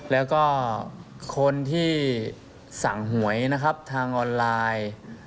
แล้วก็คนที่สั่งหวยนะครับทางออนไลน์